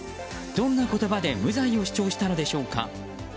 どんな言葉で無罪を主張したのでしょうか。